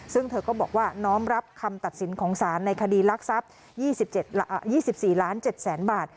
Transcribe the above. ซึ่งเธอก็บอกว่าน้อมรับคำตัดสินของสารในคดีลักษัพ๒๔๗๐๐๐๐๐บาท